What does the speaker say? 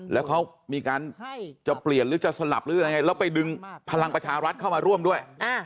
แล้วเขามีการจะเปลี่ยนหรือจะสลับหรือยังไงแล้วไปดึงพลังประชารัฐเข้ามาร่วมด้วย